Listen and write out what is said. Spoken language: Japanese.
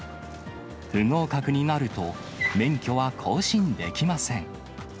不合格になると、免許は更新できません。